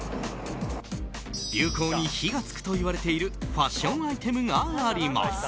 流行に火が付くといわれているファッションアイテムがあります。